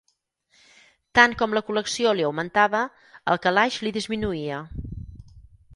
Tant com la col·lecció li augmentava, el calaix li disminuïa